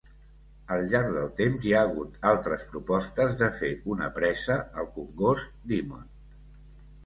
Al llarg del temps hi ha hagut altres propostes de fer una presa al congost Dimond.